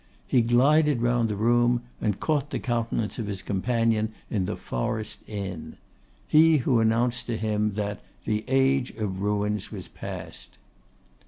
He glided round the room, and caught the countenance of his companion in the forest inn; he who announced to him, that 'the Age of Ruins was past.